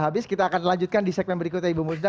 habis kita akan lanjutkan di segmen berikutnya ibu murda